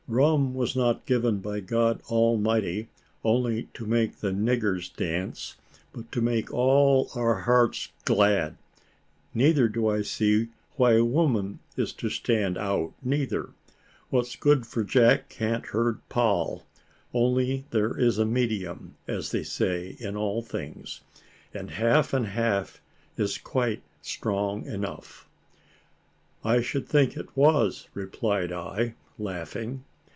Rum was not given by God Almighty only to make the niggers dance, but to make all our hearts glad; neither do I see why a woman is to stand out neither; what's good for Jack can't hurt Poll; only there is a medium, as they say, in all things, and half and half is quite strong enough." "I should think it was," replied I, laughing.